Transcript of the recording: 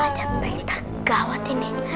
ada berita gawat ini